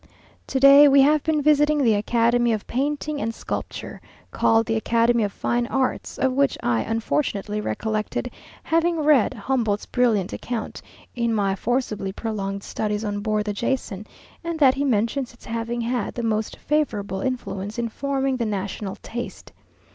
To day we have been visiting the Academy of painting and sculpture, called the Academy of Fine Arts, of which I unfortunately recollected having read Humboldt's brilliant account, in my forcibly prolonged studies on board the Jason, and that he mentions its having had the most favourable influence in forming the national taste.